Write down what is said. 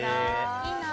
いいな。